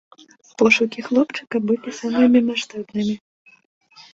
Пошукі хлопчыка былі самымі маштабнымі.